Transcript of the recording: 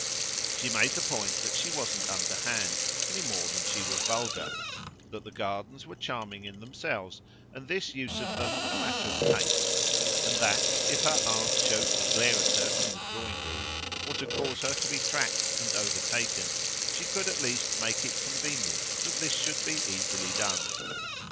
She made the point that she wasn't underhand, any more than she was vulgar; that the Gardens were charming in themselves and this use of them a matter of taste; and that, if her aunt chose to glare at her from the drawing room or to cause her to be tracked and overtaken, she could at least make it convenient that this should be easily done.